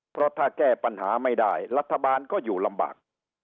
เพราะถ้าแก้ปัญหาไม่ได้รัฐบาลก็อยู่ลำบาก